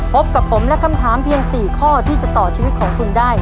พบกับผมและคำถามเพียง๔ข้อที่จะต่อชีวิตของคุณได้